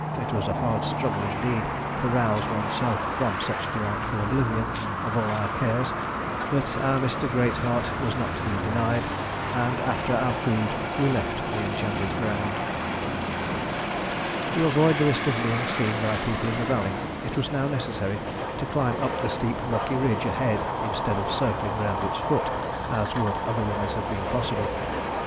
It was a hard struggle indeed to rouse oneself from such delightful oblivion of all our cares, but our Mr Greatheart was not to be denied, and after our food we left the Enchanted Ground. To avoid the risk of being seen by people in the valley, it was now necessary to climb up the steep rocky ridge ahead instead of circling round its foot as would otherwise have been possible.